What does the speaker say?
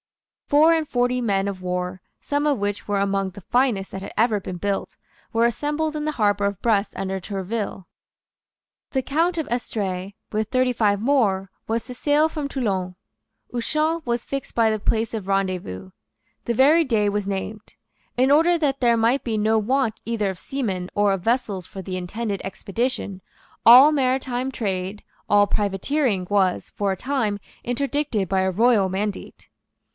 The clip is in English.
Four and forty men of war, some of which were among the finest that had ever been built, were assembled in the harbour of Brest under Tourville. The Count of Estrees, with thirty five more, was to sail from Toulon. Ushant was fixed for the place of rendezvous. The very day was named. In order that there might be no want either of seamen or of vessels for the intended expedition, all maritime trade, all privateering was, for a time, interdicted by a royal mandate.